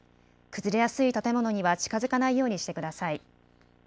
崩れやすい建物には近づかないようにしてください。